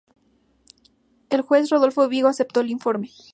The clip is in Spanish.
El juez Rodolfo Vigo aceptó el informe.